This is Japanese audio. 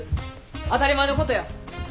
当たり前のことや。